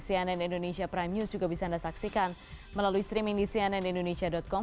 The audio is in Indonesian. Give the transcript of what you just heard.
cnn indonesia prime news juga bisa anda saksikan melalui streaming di cnnindonesia com